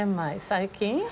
最近？